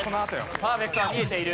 パーフェクトは見えている。